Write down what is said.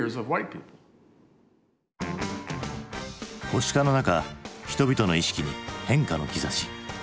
保守化の中人々の意識に変化の兆し。